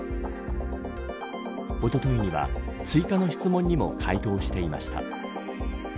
おとといには追加の質問にも回答していました。